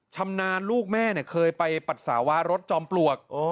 ชำนาญลูกแม่เคยไปปัสสาวะรถจอมปลวก